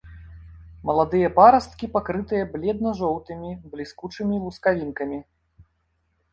Маладыя парасткі пакрытыя бледна-жоўтымі, бліскучымі лускавінкамі.